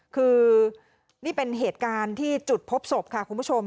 คือนี่เป็นเหตุการณ์ที่จุดพบศพค่ะคุณผู้ชม